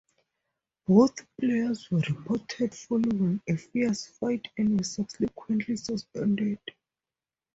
Both players were reported following a fierce fight and were subsequently suspended.